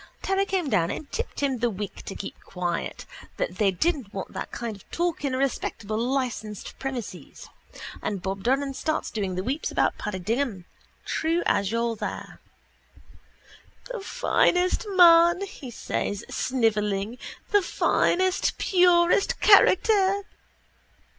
Terry came down and tipped him the wink to keep quiet, that they didn't want that kind of talk in a respectable licensed premises. And Bob Doran starts doing the weeps about Paddy Dignam, true as you're there. —The finest man, says he, snivelling, the finest purest character.